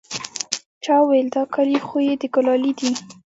چا وويل دا كالي خو يې د ګلالي دي.